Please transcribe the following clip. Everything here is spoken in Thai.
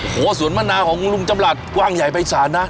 โหสวนมะน่าของลุงจำระพรคษ์กว้างใหญ่ไปชันนะ